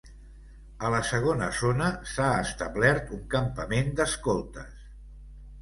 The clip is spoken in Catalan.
A la segona zona s'ha establert un campament d'escoltes.